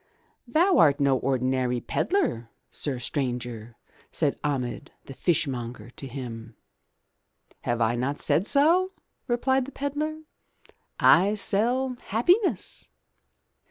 "Thou art no ordinary pedlar, sir stranger,*' said Ahmed, the fishmonger, to him. "Have I not said so?*' replied the pedlar. "I sell happiness."